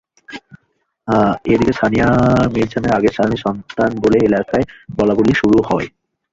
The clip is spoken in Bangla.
এদিকে সামিয়া মর্জিনার আগের স্বামীর সন্তান বলে এলাকায় বলাবলি শুরু হয়।